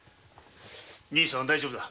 兄さんは大丈夫だ。